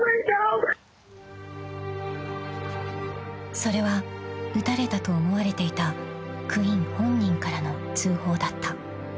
☎［それは撃たれたと思われていたクイン本人からの通報だった］